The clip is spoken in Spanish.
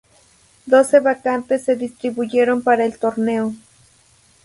Doce vacantes se distribuyeron para el torneo.